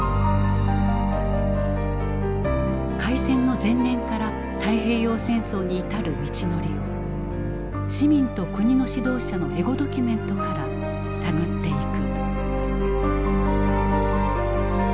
開戦の前年から太平洋戦争に至る道のりを市民と国の指導者のエゴドキュメントから探っていく。